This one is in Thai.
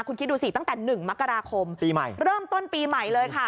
คุณคิดดูสิตั้งแต่๑มกราคมปีใหม่เริ่มต้นปีใหม่เลยค่ะ